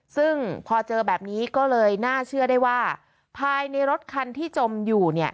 ซึ่งพอเจอแบบนี้ก็เลยน่าเชื่อได้ว่าภายในรถคันที่จมอยู่เนี่ย